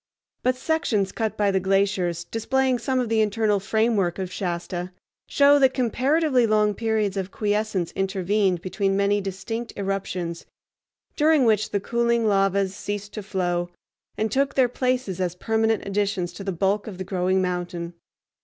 But sections cut by the glaciers, displaying some of the internal framework of Shasta, show that comparatively long periods of quiescence intervened between many distinct eruptions, during which the cooling lavas ceased to flow, and took their places as permanent additions to the bulk of the growing mountain.